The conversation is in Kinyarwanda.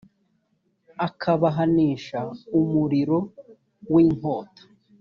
akabahanisha umuriro w’inkota